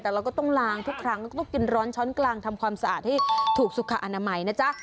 แต่เราก็ต้องล้างทุกครั้งต้องกินร้อนช้อนกลางทำความสะอาดให้ถูกสุขอนามัยนะจ๊ะ